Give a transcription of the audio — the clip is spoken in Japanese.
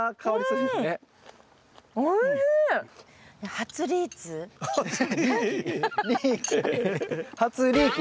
初リーキ。